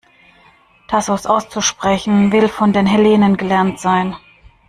Thasos auszusprechen will von den Hellenen gelernt sein.